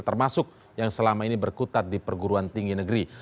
termasuk yang selama ini berkutat di perguruan tinggi negeri